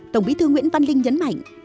tổng bí thư nguyễn văn linh nhấn mạnh